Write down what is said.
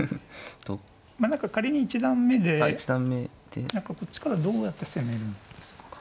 まあ何か仮に一段目で何かこっちからどうやって攻めるんですかね。